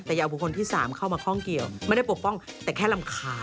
แต่อย่าเอาบุคคลที่๓เข้ามาคล่องเกี่ยวไม่ได้ปกป้องแต่แค่รำคาญ